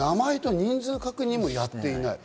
名前と人数確認もやっていない。